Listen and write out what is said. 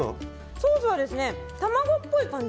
ソースは、卵っぽい感じ